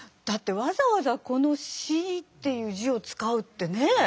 だってわざわざこの「死」っていう字を使うってね。